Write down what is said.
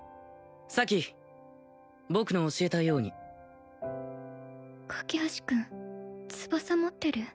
咲僕の教えたように架橋君翼持ってる？